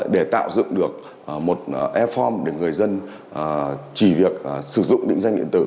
để tạo dựng được một e form để người dân chỉ việc sử dụng định danh điện tử